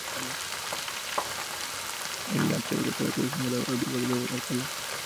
El arte de la Carátula es un grabado de Diego "Bebo" Alcala.